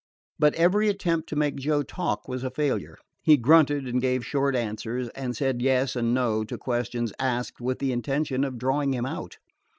But every attempt to make Joe talk was a failure. He grunted and gave short answers, and said "yes" and "no" to questions asked with the intention of drawing him out.